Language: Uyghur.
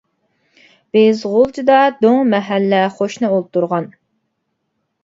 بىز غۇلجىدا دۆڭمەھەللە قوشنا ئولتۇرغان.